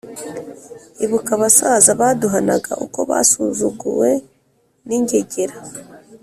Ibuka abasaza baduhanaga Uko basuzuguwe n’ingegera